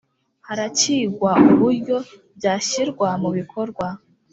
haracyigwa uburyo byashyirwa mu bikorwa.